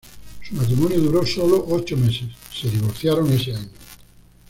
Su matrimonio duró solo ocho meses; se divorciaron ese año.